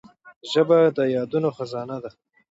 ژبه د یادونو خزانه ده